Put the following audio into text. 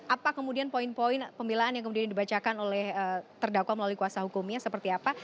apa kemudian poin poin pemilaan yang kemudian dibacakan oleh terdakwa melalui kuasa hukumnya seperti apa